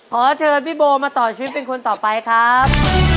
ขอเชิญพี่โบมาต่อชีวิตเป็นคนต่อไปครับ